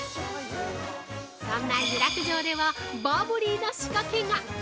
◆そんな湯楽城では、バブリーな仕掛けが！